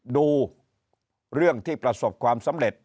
ดูเรื่องที่ประสบความสำเร็จ